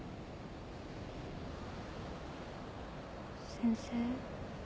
先生。